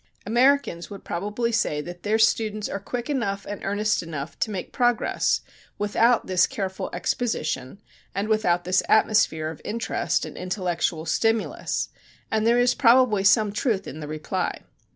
Americans would probably say that their students are quick enough and earnest enough to make progress without this careful exposition and without this atmosphere of interest and intellectual stimulus, and there is probably some truth in the reply.